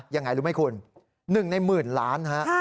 ยังไงรู้ไหมคุณ๑ในหมื่นล้านฮะ